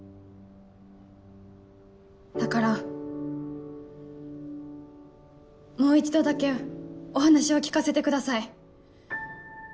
だからもう一度だけお話を聞かせてください。